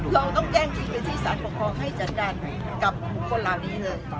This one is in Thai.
เราต้องแก้งจริงที่ศาลปกภองให้จัดดัดกับคนเหล่านี้เถอะ